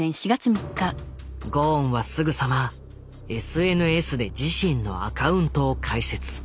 ゴーンはすぐさまＳＮＳで自身のアカウントを開設。